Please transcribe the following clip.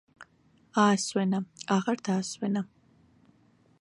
აასვენა, აღარ დაასვენა.